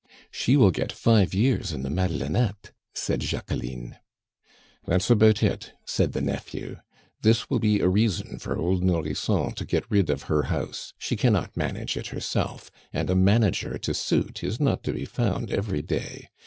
"She will get five years in the Madelonnettes," said Jacqueline. "That's about it," said the nephew. "This will be a reason for old Nourrisson to get rid of her house; she cannot manage it herself, and a manager to suit is not to be found every day.